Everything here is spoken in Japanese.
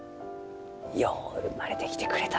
よう生まれてきてくれたのう。